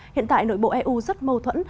hiện tại nội bộ eu rất mâu thuẫn